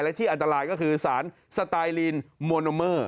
และที่อันตรายก็คือสารสไตลีนโมโนเมอร์